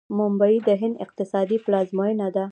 ممبۍ د هند اقتصادي پلازمینه ده.